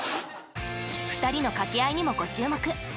２人の掛け合いにもご注目。